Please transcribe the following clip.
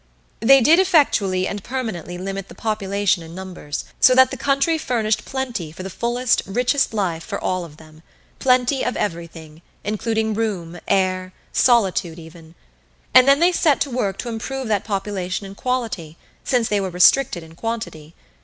They did effectually and permanently limit the population in numbers, so that the country furnished plenty for the fullest, richest life for all of them: plenty of everything, including room, air, solitude even. And then they set to work to improve that population in quality since they were restricted in quantity.